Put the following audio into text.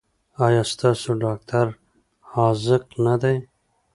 ایا ستاسو ډاکټر حاذق نه دی؟